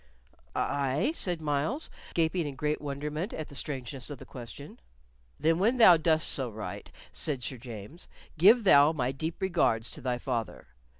"Aye," said Myles, gaping in great wonderment at the strangeness of the question. "Then when thou dost so write," said Sir James, "give thou my deep regards to thy father."